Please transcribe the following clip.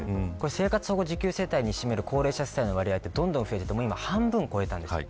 生活保護受給世帯に占める高齢者の割合はどんどん増えて半分を超えました。